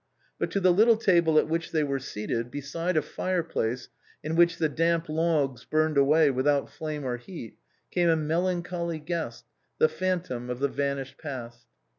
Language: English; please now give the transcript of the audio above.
But to the little table at which they were seated, beside a fireplace in .which the damp logs burned away without flame or heat, came a melancholy guest, the phantom of the vanished past.